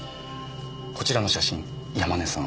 こちらの写真山根さん